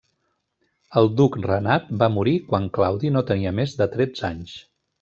El duc Renat va morir quan Claudi no tenia més que tretze anys.